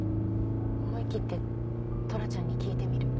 思いきってトラちゃんに聞いてみる。